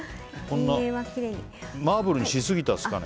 マーブルにしすぎましたかね。